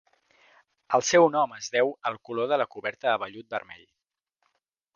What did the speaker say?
El seu nom es deu al color de la coberta de vellut vermell.